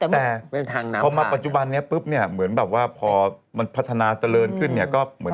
แต่พอมาปัจจุบันนี้ปุ๊บเนี่ยเหมือนแบบว่าพอมันพัฒนาเจริญขึ้นเนี่ยก็เหมือน